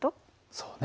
そうね。